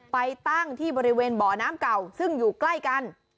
ไปตั้งที่บริเวณบ่อน้ำเก่าซึ่งอยู่ใกล้กัน